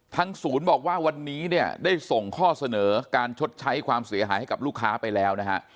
ศูนย์บอกว่าวันนี้เนี่ยได้ส่งข้อเสนอการชดใช้ความเสียหายให้กับลูกค้าไปแล้วนะฮะ